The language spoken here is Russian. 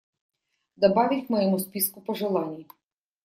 Добавить к моему списку пожеланий.